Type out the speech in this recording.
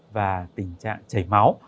và tình trạng chảy máu